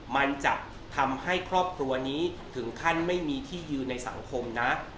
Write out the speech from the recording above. มันจะทำให้ครอบครัวนี้ถึงขั้นไม่มีที่ยืนในสังคมนะ